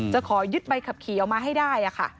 ขอยึดใบขับขี่ออกมาให้ได้ค่ะ